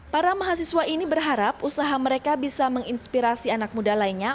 para mahasiswa ini berharap usaha mereka bisa menginspirasi anak muda lainnya